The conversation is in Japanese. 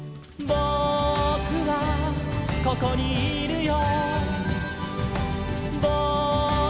「ぼくはここにいるよ」